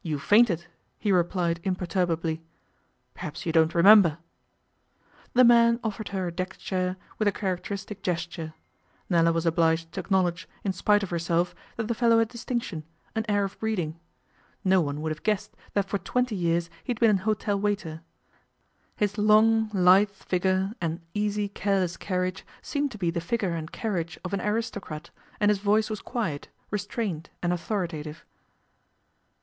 'You fainted,' he replied imperturbably. 'Perhaps you don't remember.' The man offered her a deck chair with a characteristic gesture. Nella was obliged to acknowledge, in spite of herself, that the fellow had distinction, an air of breeding. No one would have guessed that for twenty years he had been an hotel waiter. His long, lithe figure, and easy, careless carriage seemed to be the figure and carriage of an aristocrat, and his voice was quiet, restrained, and authoritative.